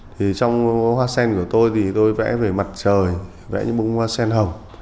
thì trong hoa sen của tôi thì tôi vẽ về mặt trời vẽ những bông hoa sen hồng